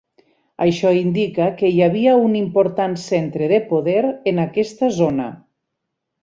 Això indica que hi havia un important centre de poder en aquesta zona.